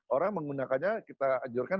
orang menggunakannya kita anjurkan